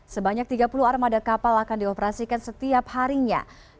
sebanyak tiga puluh armada kapal akan dioperasikan setiap harinya